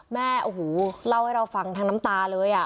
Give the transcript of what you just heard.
แม่โอ้โหเล่าให้เราฟังทั้งน้ำตาเลย